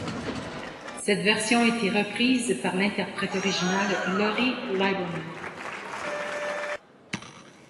Cette version a été reprise par l'interprète originale Lori Liebermann.